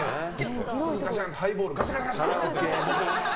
ハイボールガシャンガシャンってね。